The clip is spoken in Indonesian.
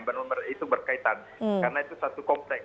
benar benar itu berkaitan karena itu satu kompleks